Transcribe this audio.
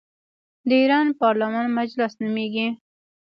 د ایران پارلمان مجلس نومیږي.